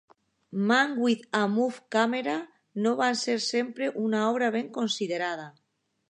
"Man with a Movie Camera" no va ser sempre una obra ben considerada.